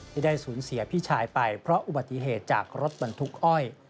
ที่ได้สูญเสียพี่ชายไปเพราะอุบัติเหตุจากรถบรรทุกอ้อย